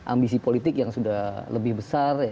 ambisi politik yang sudah lebih besar